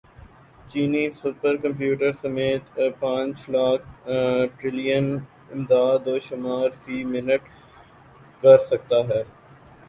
چینی super computer سمٹ پانچ لاکھ ٹریلین اعدادوشمار فی منٹ کر سکتا ہے